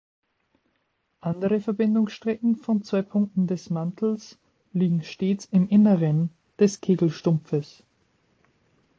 Andere Verbindungsstrecken von zwei Punkten des Mantels liegen stets im Inneren des Kegelstumpfes.